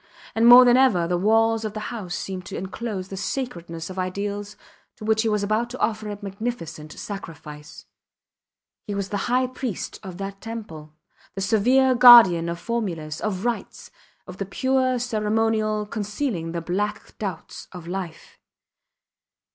And more than ever the walls of his house seemed to enclose the sacredness of ideals to which he was about to offer a magnificent sacrifice. He was the high priest of that temple, the severe guardian of formulas, of rites, of the pure ceremonial concealing the black doubts of life.